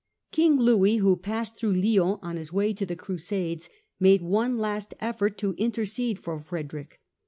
King Louis, who passed through Lyons on his way to the Crusades, made one last effort to intercede for Frederick.